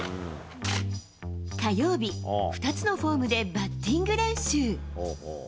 火曜日、２つのフォームでバッティング練習。